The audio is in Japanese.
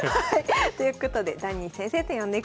ということでダニー先生と呼んでください。